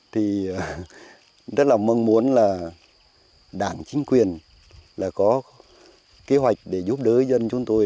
thì rất là mong muốn là đảng chính quyền là có kế hoạch để giúp đỡ dân chúng tôi